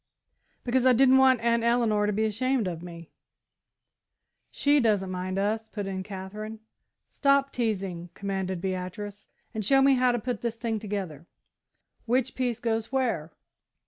"Because I didn't want Aunt Eleanor to be ashamed of me." "She doesn't mind us," put in Katherine. "Stop teasing," commanded Beatrice, "and show me how to put the thing together. Which piece goes where?"